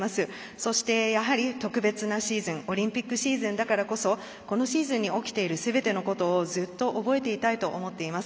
そして、やはり特別なシーズンオリンピックシーズンだからこそこのシーズンに起きているすべてのことをずっと覚えていたいと思っています。